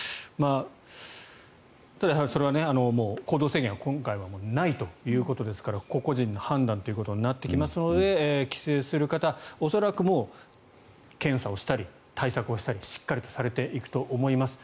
ただ、それは行動制限は今回はないということですから個々人の判断となってきますので帰省する方は恐らくもう検査をしたり対策をしたりしっかりとされていくと思います。